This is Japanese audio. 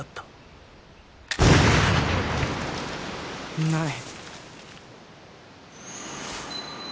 いない。